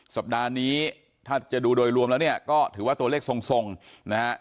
สัปดาห์นี้ถ้าจะดูโดยรวมแล้วเนี่ยก็ถือว่าตัวเลขทรงนะฮะ